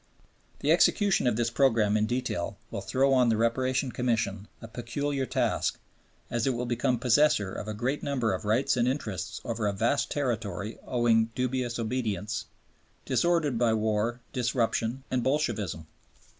The execution of this program in detail will throw on the Reparation Commission a peculiar task, as it will become possessor of a great number of rights and interests over a vast territory owing dubious obedience, disordered by war, disruption, and Bolshevism.